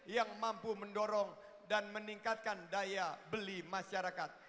yang mampu mendorong dan meningkatkan daya beli masyarakat